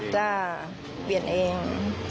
ได้เปลี่ยนเอง